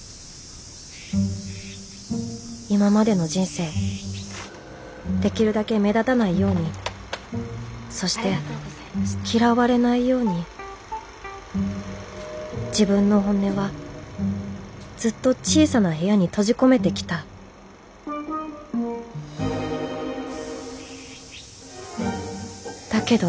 今までの人生できるだけ目立たないようにそして嫌われないように自分の本音はずっと小さな部屋に閉じ込めてきただけど